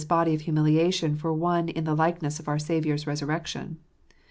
body of humiliation for one in the likeness of our Saviour's Resurrection.